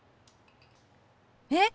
えっ！